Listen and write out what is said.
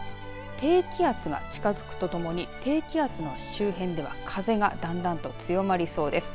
低気圧が近づくとともに低気圧の周辺では風がだんだんと強まりそうです。